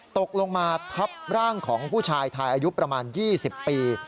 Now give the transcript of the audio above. ตกลงมาทับร่างของผู้ชายไทยอายุประมาณ๒๐ปี